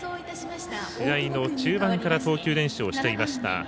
試合の中盤から投球練習をしていました。